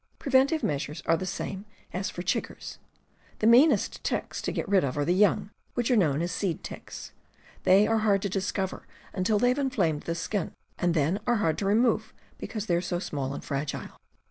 Preventive measures are the same as for chiggers. The meanest ticks to get rid of are the young, which are known as "seed ticks." They are hard to discover until they have inflamed the skin, and then are hard to remove because they are so small and fragile.